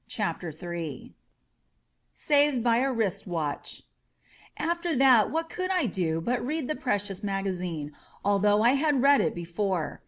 CHAPTER m SAVED BY A WRIST WATCH AFTER that what could I do but read the precious magazine, although I had read it be fore.